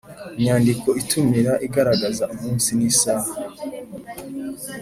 Inyandiko itumira igaragaza umunsi n isaha